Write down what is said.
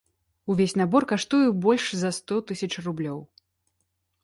Увесь набор каштуе больш за сто тысяч рублёў.